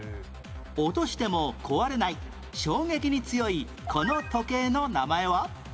落としても壊れない衝撃に強いこの時計の名前は？